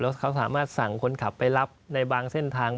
เขาสามารถสั่งคนขับไปรับในบางเส้นทาง